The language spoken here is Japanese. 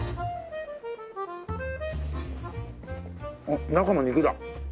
あっ中も肉だ。